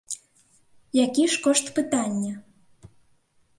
Які ж кошт пытання?